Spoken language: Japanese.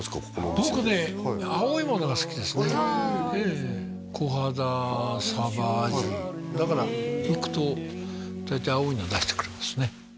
僕ね青いものが好きですねコハダサバアジだから行くと大体青いの出してくれますね